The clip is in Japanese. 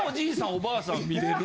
おばあさん見れる？